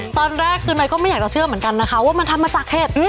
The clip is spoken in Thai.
วันแรกก็ไม่อยากเชื่อเหมือนกันนะคะว่ามันทำมาจากเขต